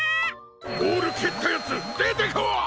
ボールけったヤツでてこい！